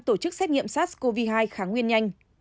tổ chức xét nghiệm sars cov hai kháng nguyên nhanh